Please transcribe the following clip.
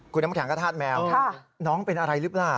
กูน้ำแข็งก็ทาสแมวน้องเป็นอะไรรึเปล่า